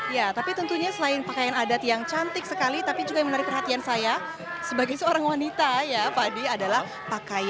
ya tapi tentunya selain pakaian adat yang cantik sekali tapi juga yang menarik perhatian saya sebagai seorang wanita ya pak d adalah pakaian